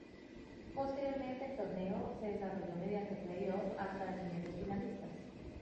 Posteriormente el torneo se desarrolló mediante Play Off hasta definir los finalistas.